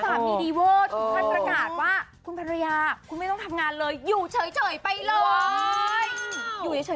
สามีดีใช่ไหมโอ้โห